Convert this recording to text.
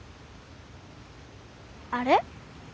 あれ？